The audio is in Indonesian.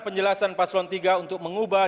penjelasan paslon tiga untuk mengubah